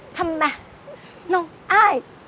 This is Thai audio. ทำไมน้องอ้าย